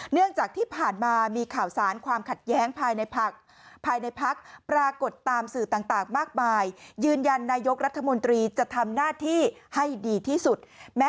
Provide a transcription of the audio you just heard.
เนื่องจากที่ผ่านมา